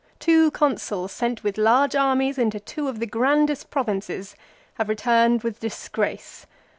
Two Consuls sent with large armies into two of the grandest provinces have re turned with disgrace.